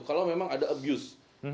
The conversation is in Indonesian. kalau memang ada abuse